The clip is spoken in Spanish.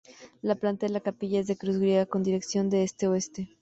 La planta de la capilla es de cruz griega, con dirección de Este-Oeste.